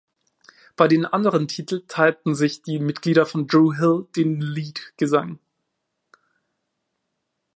Bei den anderen Titel teilten sich die Mitglieder von Dru Hill den Leadgesang.